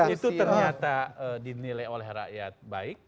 itu ternyata dinilai oleh rakyat baik